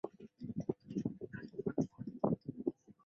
短叶赤车为荨麻科赤车属下的一个种。